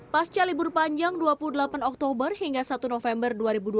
pasca libur panjang dua puluh delapan oktober hingga satu november dua ribu dua puluh